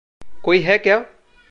कोई है क्या?